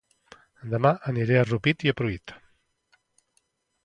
Dema aniré a Rupit i Pruit